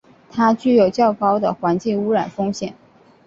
它具有较高的环境污染风险。